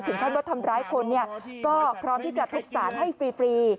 คาดว่าทำร้ายคนก็พร้อมที่จะทุบสารให้ฟรี